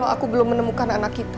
aku belum menemukan anak kita